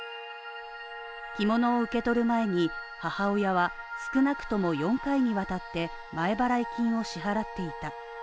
着物を受け取る前に母親は少なくとも４回に渡って前払い金を支払っていた。